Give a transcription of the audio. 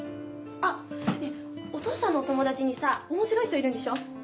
あっお父さんのお友達にさおもしろい人いるんでしょ？